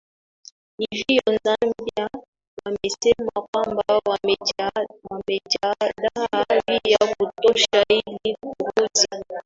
hivyo zambia wamesema kwamba wamejiandaa vya kutosha ili kurudi